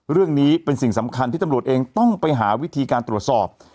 เรื่องนี้เป็นสิ่งสำคัญที่ตำรวจเองต้องไปหาวิธีการตรวจสอบ